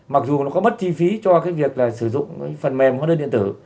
mặc dù nó có mất chi phí cho cái việc là sử dụng phần mềm hóa đơn điện tử